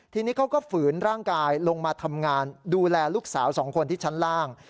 ทีนี้เขาก็ฝืนร่างกายลงมาทำงานดูแลลูกสาวสองคนที่ชั้นล่าง